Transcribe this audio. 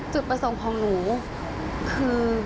จุดประสงค์ของหนูคือ